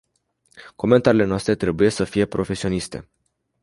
Comentariile noastre trebuie să fie profesioniste.